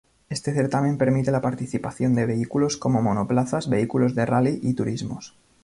Este certamen permite la participación de vehículos como: monoplazas, vehículos de rally y turismos.